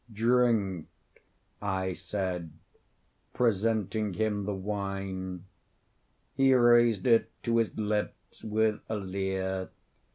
"Drink," I said, presenting him the wine. He raised it to his lips with a leer.